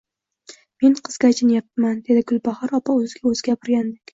Men qizga achinyapman…dedi Gulbahor opa o`ziga o`zi gapirgandek